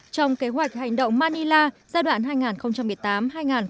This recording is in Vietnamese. trong kế hoạch hành động manila giai đoạn hai nghìn một mươi tám hai nghìn hai mươi